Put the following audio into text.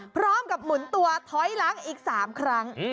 พร้อมกับหมุนตัวถอยหลังอีก๓ครั้ง